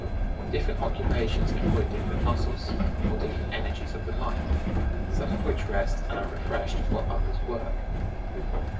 (116) Different occupations employ different muscles, or different energies of the mind, some of which rest and are refreshed while others work.